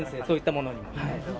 そういったものにも。